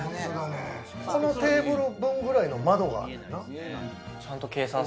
このテーブル分くらいの窓があるな。